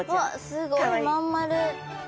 すごい真ん丸。